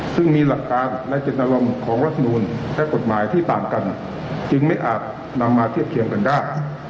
ซึ่งมีหลักการและเจตนารมณ์ของรัฐมนูลและกฎหมายที่ต่างกันจึงไม่อาจนำมาเทียบเคียงกันได้